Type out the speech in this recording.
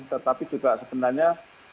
tetapi juga sebenarnya